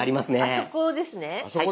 あそこですね。